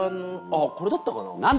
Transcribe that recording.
あっこれだったかな？